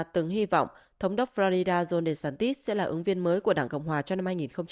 từng hy vọng thống đốc florida giornesantis sẽ là ứng viên mới của đảng cộng hòa cho năm hai nghìn hai mươi bốn